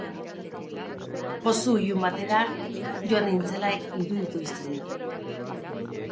Pozu ilun batera joan nintzela iruditu zitzaidan.